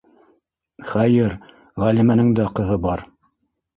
Хәйер, Ғәлимәнең дә ҡыҙы бар.